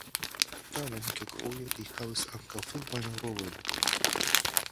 Tamen kelkfoje li havis ankaŭ filmajn rolojn.